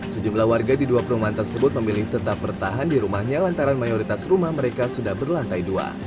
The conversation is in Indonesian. sejumlah warga di dua perumahan tersebut memilih tetap bertahan di rumahnya lantaran mayoritas rumah mereka sudah berlantai dua